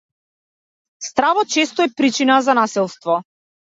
Стравот често е причина за насилство.